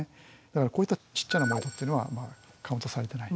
だからこういったちっちゃな盛り土っていうのはカウントされてない。